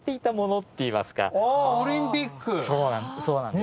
そうなんです。